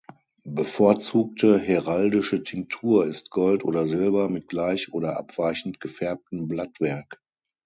Bevorzugte heraldische Tinktur ist Gold oder Silber mit gleich oder abweichend gefärbten Blattwerk.